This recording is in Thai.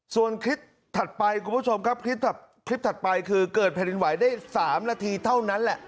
ส่วนคลิปถัดไปคุณผู้ชมครับคลิปถัดไปคือเกิดแผ่นดินไหวได้๓นาทีเท่านั้นแหละ